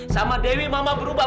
sama dewi mama berubah